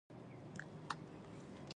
سلطان محمود یو لوی پوځ جوړ کړ.